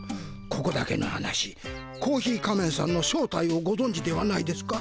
ここだけの話コーヒー仮面さんの正体をごぞんじではないですか？